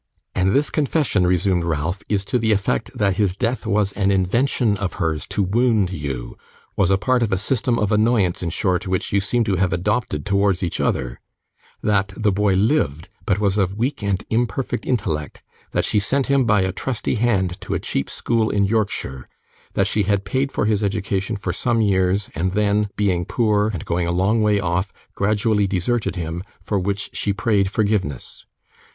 'And this confession,' resumed Ralph, 'is to the effect that his death was an invention of hers to wound you was a part of a system of annoyance, in short, which you seem to have adopted towards each other that the boy lived, but was of weak and imperfect intellect that she sent him by a trusty hand to a cheap school in Yorkshire that she had paid for his education for some years, and then, being poor, and going a long way off, gradually deserted him, for which she prayed forgiveness?